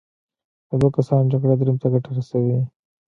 د دوو کسانو جګړه دریم ته ګټه رسوي.